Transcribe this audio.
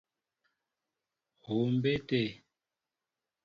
Huu mbé te.